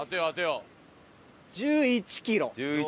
１１キロ。